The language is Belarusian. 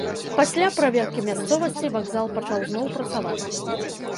Пасля праверкі мясцовасці вакзал пачаў зноў працаваць.